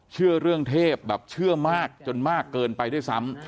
เชื่อเรื่องเทพแบบเชื่อมากจนมากเกินไปด้วยซ้ำ